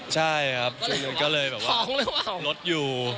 ใช่ครับก็เลยลดอยู่